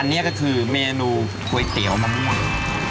อันนี้ก็คือเมนูก๋วยเตี๋ยวมะม่วง